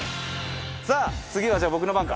さぁ次はじゃあ僕の番か。